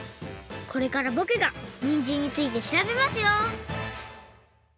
これからぼくがにんじんについてしらべますよ！